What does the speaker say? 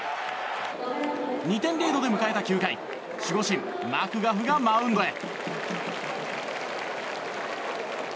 ２点リードで迎えた９回守護神マクガフがマウンドへ。